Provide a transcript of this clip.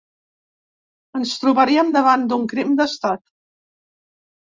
Ens trobaríem davant d’un crim d’estat.